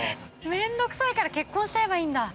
めんどくさいから結婚しちゃえばいいんだ。